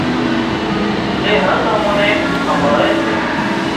زي هر نموني همڀاۯي سي